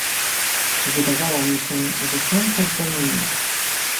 Wydawało mi się, że są poddanymi